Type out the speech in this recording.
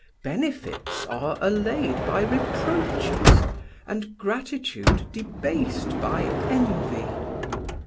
Benefits are allowed by reproaches, and gratitude debased by envy.